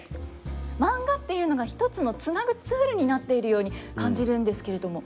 マンガっていうのが一つのつなぐツールになっているように感じるんですけれども。